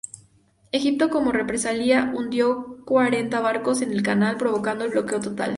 Egipto, como represalia, hundió cuarenta barcos en el canal, provocando el bloqueo total.